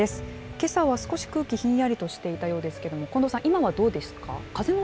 けさは少し空気、ひんやりとしていたようですけども、近藤さん、今はどうですか？